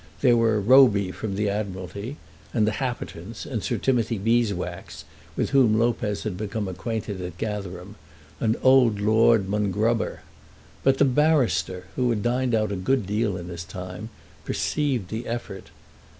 There were Roby from the Admiralty, and the Happertons, and Sir Timothy Beeswax, with whom Lopez had become acquainted at Gatherum, and old Lord Mongrober. But the barrister, who had dined out a good deal in his time, perceived the effort.